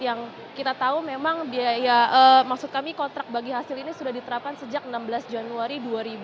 yang kita tahu memang kontrak bagi hasil ini sudah diterapkan sejak enam belas januari dua ribu tujuh belas